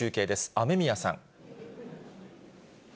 雨宮さん。